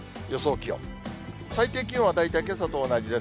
気温、最低気温は大体けさと同じです。